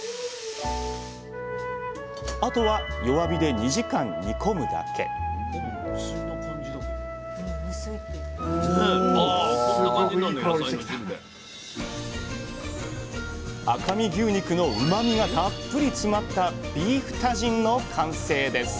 あとは弱火で２時間煮込むだけ赤身牛肉のうまみがたっぷり詰まったビーフタジンの完成です。